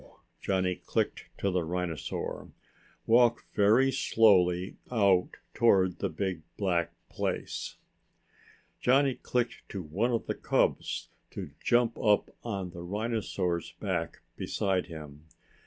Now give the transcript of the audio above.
Johnny clicked to the rhinosaur. "Walk very slowly out toward the big black place." Johnny clicked to one of the cubs to jump up on the rhinosaur's back beside him.